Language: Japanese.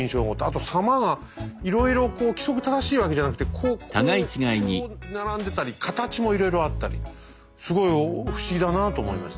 あと狭間がいろいろ規則正しいわけじゃなくてこうこう並んでたり形もいろいろあったりすごい不思議だなあと思いましたけど。